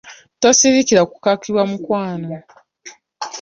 Tosirikira kukakibwa mukwano.